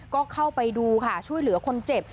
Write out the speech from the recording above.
ก็เข้าไปดูค่ะช่วยเหลือคนเจ็บ